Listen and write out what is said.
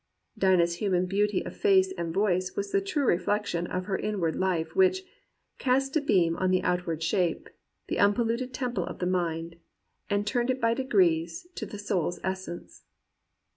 Dinah's human beauty of face and voice was the true reflection of her inward life which " cast a beam on the outward shape. The unpolluted temple of the mind, And turned it by degrees to the soul's essence."